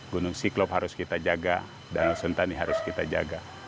gunung siklop harus kita jaga danau sentani harus kita jaga